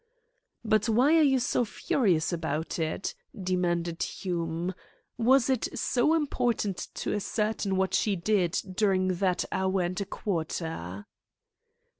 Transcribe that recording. "But why are you so furious about it?" demanded Hume. "Was it so important to ascertain what she did during that hour and a quarter?"